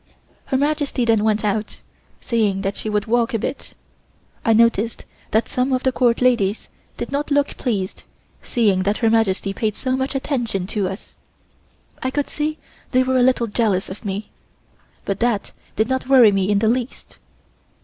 Her Majesty then went out, saying that she would walk a bit. I noticed that some of the court ladies did not look pleased, seeing that Her Majesty paid so much attention to us. I could see they were a little jealous of me, but that did not worry me in the least.